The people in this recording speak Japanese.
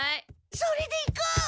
それでいこう！